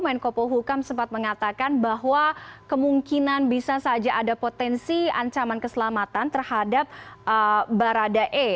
menko pohukam sempat mengatakan bahwa kemungkinan bisa saja ada potensi ancaman keselamatan terhadap baradae